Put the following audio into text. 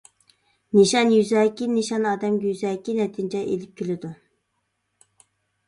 نىشان-يۈزەكى نىشان ئادەمگە يۈزەكى نەتىجە ئېلىپ كېلىدۇ.